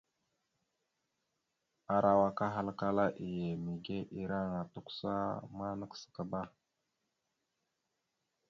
Arawak ahalkala iye kwa mege ireŋa tʉkəsaba ma nakəsakaba.